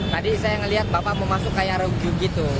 tadi saya melihat bapak memasuk kayak rugi gitu